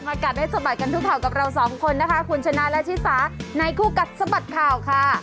กัดให้สะบัดกันทุกข่าวกับเราสองคนนะคะคุณชนะและชิสาในคู่กัดสะบัดข่าวค่ะ